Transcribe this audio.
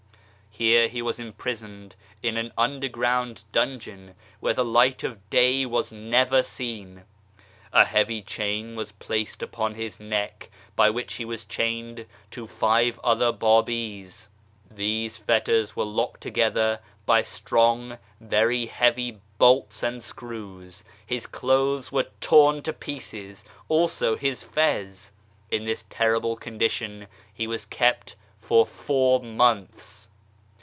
Here he was imprisoned in an under BAHA'U'LLAH 69 ground dungeon, where the light of day was never seen. A heavy chain was placed about his neck by which he was chained to five other Babis ; these fetters were locked together by strong, very heavy, bolts and screws. His clothes were torn to pieces, also his fez. In this terrible condition he was kept for four months.